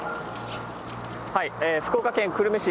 福岡県久留米市